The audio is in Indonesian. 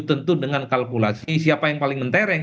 tentu dengan kalkulasi siapa yang paling mentereng